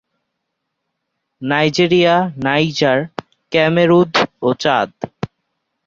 Nigeria, Niger, Cameroon ও চাদ।